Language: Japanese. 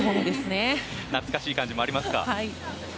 懐かしい感じもありますか。